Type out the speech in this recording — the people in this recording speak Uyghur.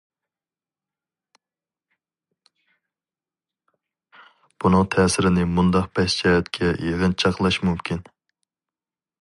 بۇنىڭ تەسىرىنى مۇنداق بەش جەھەتكە يىغىنچاقلاش مۇمكىن.